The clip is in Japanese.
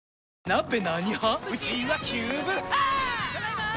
ただいま！